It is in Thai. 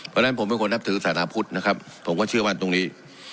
เพราะฉะนั้นผมเป็นคนนับถือศาสนาพุทธนะครับผมก็เชื่อมั่นตรงนี้